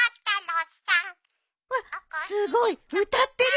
わっすごい歌ってる！